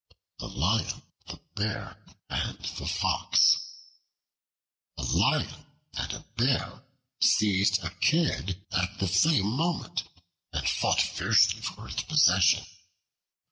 The Lion, the Bear, and the Fox A LION and a Bear seized a Kid at the same moment, and fought fiercely for its possession.